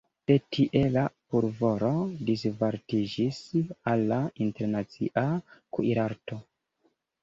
De tie la pulvoro disvastiĝis al la internacia kuirarto.